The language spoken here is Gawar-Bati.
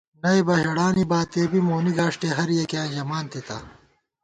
نئیبہ ہېڑانی باتِیَہ بی مونی گاݭٹے ہریَکِیاں ژمانتِتا